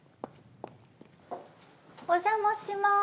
お邪魔します。